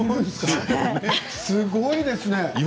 すごいですね。